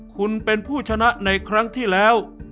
คุณเป็นผู้ชนะในครั้งที่แล้ว